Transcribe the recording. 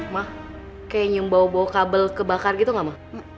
ma kayak nyumbaw bawah kabel kebakar gitu gak ma